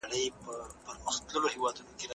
چیرته کولای سو صادرات په سمه توګه مدیریت کړو؟